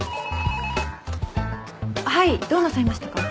はいどうなさいましたか？